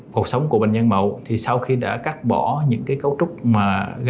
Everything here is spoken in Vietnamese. cột sống của bệnh nhân mậu thì sau khi đã cắt bỏ những cái cấu trúc mà